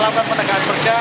masalahnya apa gitu loh